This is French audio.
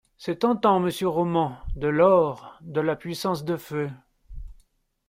C’est tentant monsieur Roman. De l’or, de la puissance de feu.